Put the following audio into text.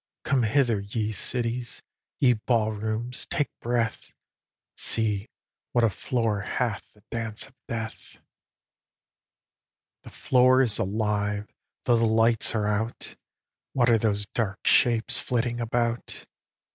Come hither, ye cities! ye ball rooms, take breath! See what a floor hath the dance of death! The floor is alive, though the lights are out; What are those dark shapes, flitting about?